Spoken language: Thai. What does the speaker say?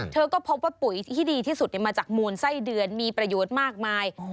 เธอก็พบว่าปุ๋ยที่ดีที่สุดมาจากมูลไส้เดือนมีประโยชน์มากมาย